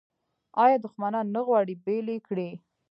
آیا دښمنان نه غواړي بیل یې کړي؟